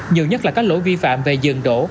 nhiều nhất là các lỗi vi phạm về dừng đổ